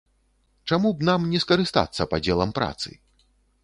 Чаму б нам не скарыстацца падзелам працы?